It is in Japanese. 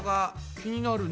気になるね。